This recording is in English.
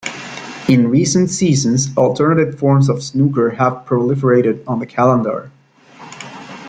In recent seasons alternative forms of snooker have proliferated on the calendar.